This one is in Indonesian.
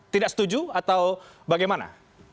tidak setuju atau bagaimana